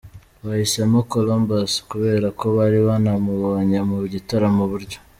Bahisemo Columbus kubera ko bari banamubonye mu gitaramo uburyo